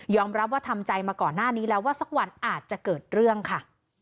รับว่าทำใจมาก่อนหน้านี้แล้วว่าสักวันอาจจะเกิดเรื่องค่ะ